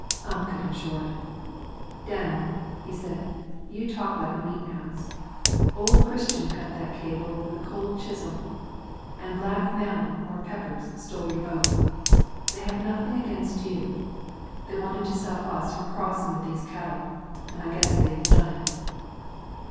Ump cut him short. "Danel," he said, "you talk like a meetin' house. Old Christian cut that cable with a cold chisel, an' Black Malan or Peppers stole your boat. They have nothing against you. They wanted to stop us from crossin' with these cattle, an' I guess they've done it."